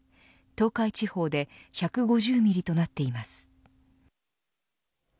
東海地方で１５０ミリとなっています。